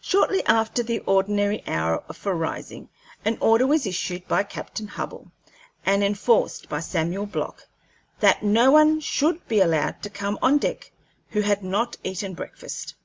Shortly after the ordinary hour for rising, an order was issued by Captain Hubbell, and enforced by Samuel Block, that no one should be allowed to come on deck who had not eaten breakfast.